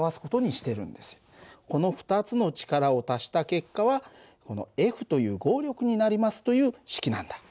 この２つの力を足した結果はこのＦという合力になりますという式なんだ。